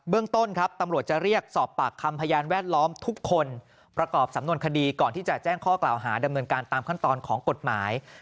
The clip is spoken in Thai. ต้นครับตำรวจจะเรียกสอบปากคำพยานแวดล้อมทุกคนประกอบสำนวนคดีก่อนที่จะแจ้งข้อกล่าวหาดำเนินการตามขั้นตอนของกฎหมาย